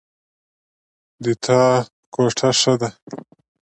د تا کوټه ښه ده